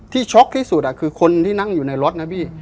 ช็อกที่สุดคือคนที่นั่งอยู่ในรถนะพี่